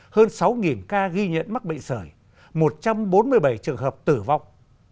hơn sáu ca ghi nhận mắc bệnh sởi một trăm bốn mươi bảy trường hợp tử vong